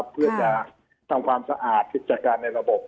เพื่อจะทำความสะอาดกิจการในระบบ